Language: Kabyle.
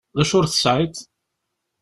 D acu ur tesɛiḍ?